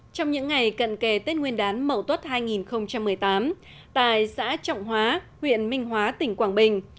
trong những ngày cận kề tết nguyên đán mậu tuất hai nghìn một mươi tám tại xã trọng hóa huyện minh hóa tỉnh quảng bình